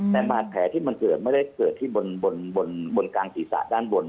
แต่บาดแผลที่มันเกิดไม่ได้เกิดที่บนกลางศีรษะด้านบน